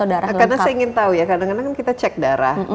karena saya ingin tahu ya kadang kadang kita cek darah